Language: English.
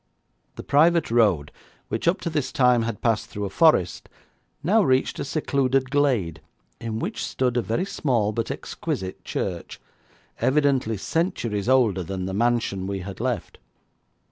The private road, which up to this time had passed through a forest, now reached a secluded glade in which stood a very small, but exquisite, church, evidently centuries older than the mansion we had left.